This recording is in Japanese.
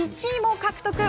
１位も獲得。